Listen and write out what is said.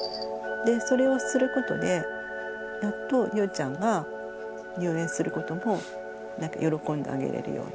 それをすることでやっとゆうちゃんが入園することも喜んであげれるように。